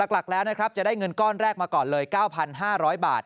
หลักแล้วนะครับจะได้เงินก้อนแรกมาก่อนเลย๙๕๐๐บาท